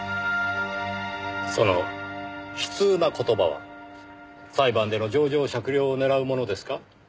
その悲痛な言葉は裁判での情状酌量を狙うものですか？